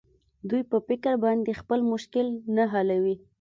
دوى په فکر باندې خپل مشکل نه حلوي.